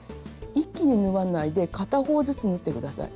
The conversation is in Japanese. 一気に縫わないで片方ずつ縫って下さい。